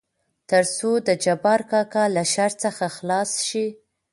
تر څو دجبار کاکا له شر څخه خلاص شي.